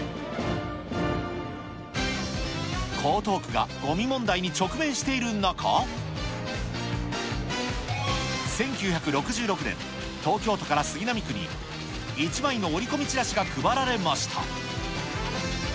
江東区がごみ問題に直面している中、１９６６年、東京都から杉並区に１枚の折り込みチラシが配られました。